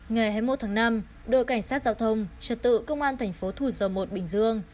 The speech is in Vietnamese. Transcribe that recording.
ngày hai mươi một tháng năm đội cảnh sát giao thông trật tự công an thành phố thủ dầu một bình dương